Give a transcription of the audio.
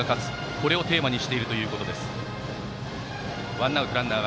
これをテーマにしているということです。